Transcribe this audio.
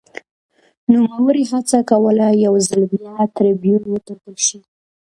نوموړي هڅه کوله یو ځل بیا ټربیون وټاکل شي